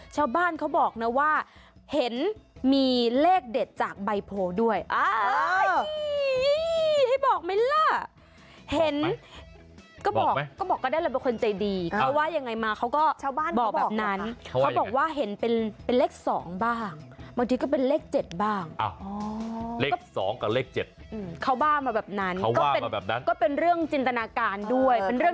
ชาวบ้านเขาบอกนะว่าเห็นมีเลขเด็ดจากใบโพลด้วย